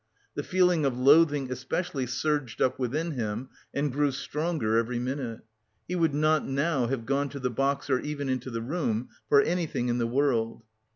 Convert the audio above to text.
The feeling of loathing especially surged up within him and grew stronger every minute. He would not now have gone to the box or even into the room for anything in the world.